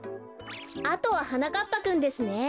あとははなかっぱくんですね。